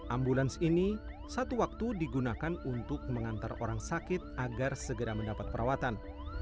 ambulans ini satu waktu digunakan untuk mengantar orang sakit agar segera mendapat perawatan